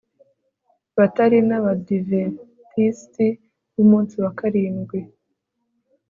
batari nAbadiventisti bUmunsi wa Karindwi